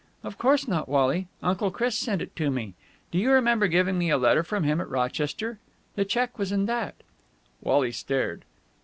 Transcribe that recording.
"Of course not, Wally. Uncle Chris sent it to me. Do you remember giving me a letter from him at Rochester? The cheque was in that." Wally stared.